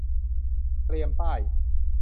เตรียมป้าย